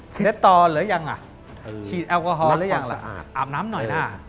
ได้ต่อหรือยังอ่ะฉีดแอลกอฮอลหรือยังล่ะอาบน้ำหน่อยนะ